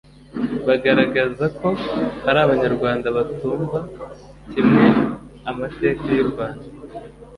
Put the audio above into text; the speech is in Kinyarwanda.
bagaragaza ko hari Abanyarwanda batumva kimwe amateka y u Rwanda